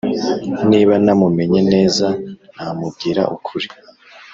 niba namumenye neza, namubwira ukuri.